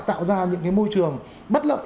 tạo ra những cái môi trường bất lợi